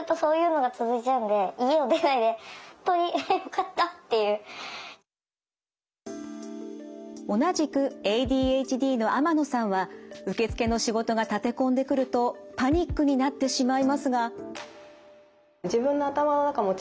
また勤務の一部を同じくＡＤＨＤの天野さんは受付の仕事が立て込んでくるとパニックになってしまいますが。